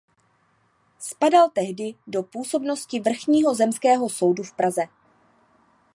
Spadal tehdy do působnosti Vrchního zemského soudu v Praze.